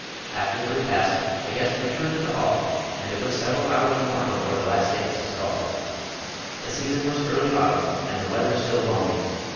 After the repast the guests returned to the hall, and it was several hours more before the last dance was called. The season was early autumn and the weather still balmy.